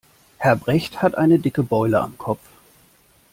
Herr Brecht hat eine dicke Beule am Kopf.